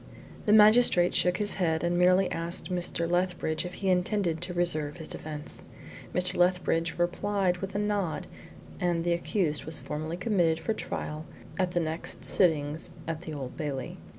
The magistrate shook his head, and merely asked Mr. Lethbridge if he intended to reserve his defence. Mr. Lethbridge replied with a nod, and the accused was formally committed for trial at the next sittings at the Old Bailey.